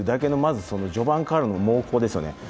まず序盤からの猛攻ですよね。